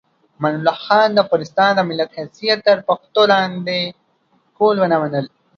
امان الله خان د افغانستان د ملت حیثیت تر پښو لاندې کول ونه منل.